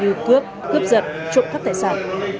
được cướp cướp giật trộm các tài sản